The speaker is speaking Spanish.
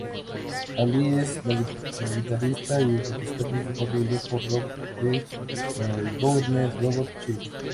Aly es el guitarrista y compositor principal del grupo rock de Melbourne, Robot Child.